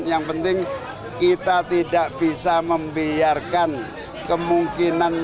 yang penting kita tidak bisa membiarkan kemungkinan